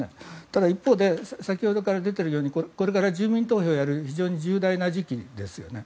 ただ、一方で先ほどから出ているようにこれから住民投票をやる非常に重大な時期ですよね。